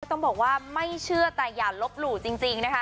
ต้องบอกว่าไม่เชื่อแต่อย่าลบหลู่จริงนะคะ